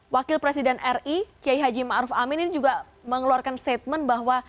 wakil presiden ri kiai haji ma'ruf amin ini juga mengeluarkan statement bahwa